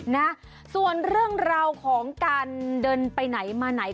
นะส่วนเรื่องราวของการเดินไปไหนมาไหน